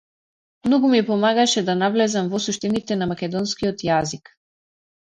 Многу ми помагаше да навлезам во суштините на македонскиот јазик.